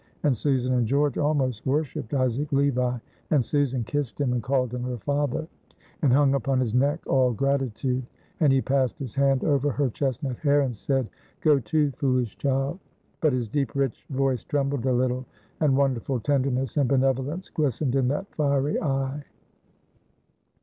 And Susan and George almost worshipped Isaac Levi; and Susan kissed him and called him her father, and hung upon his neck all gratitude. And he passed his hand over her chestnut hair, and said, "Go to, foolish child," but his deep rich voice trembled a little, and wonderful tenderness and benevolence glistened in that fiery eye.